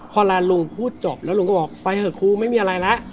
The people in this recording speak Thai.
พอร้านลุงพูดจบแล้วลุงก็บอกไปเถอะครูไม่มีอะไรแล้ว